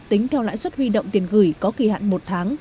tính theo lãi suất huy động tiền gửi có kỳ hạn một tháng